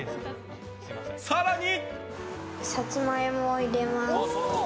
更に。